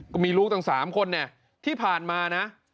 ก็มีลูกต่าง๓คนที่ผ่านมานะ